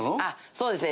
そうですね。